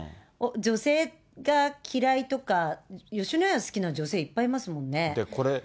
女性が嫌いとか、吉野家好きな女性、いっぱいいますもんね。